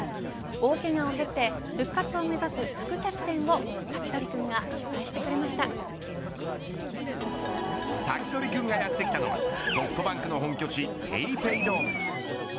大けがを経て復活を目指す副キャプテンをサキドリくんがサキドリくんがやって来たのはソフトバンクの本拠地ペイペイドーム。